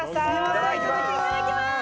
うわいただきます！